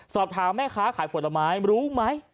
สอบถามแม่คะขายผัวตาหมายรู้ไหม